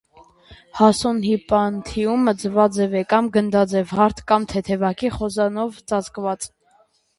Հասուն հիպանթիումը ձվաձև է կամ գնդաձև, հարթ կամ թեթևակի խոզանով ծածկված։